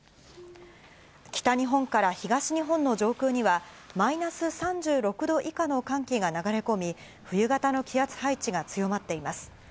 北日本から東日本の上空には、マイナス３６度以下の寒気が流れ込み、冬型の気圧配置が強まっています。